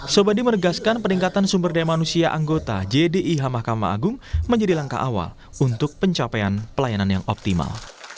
sobadi menegaskan peningkatan sumber daya manusia anggota jdih mahkamah agung menjadi langkah awal untuk pencapaian pelayanan yang optimal